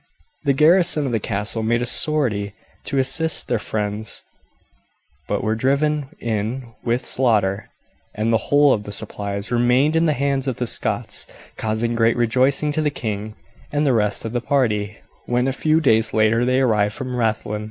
The garrison of the castle made a sortie to assist their friends, but were driven in with slaughter, and the whole of the supplies remained in the hands of the Scots, causing great rejoicing to the king and the rest of the party when a few days later they arrived from Rathlin.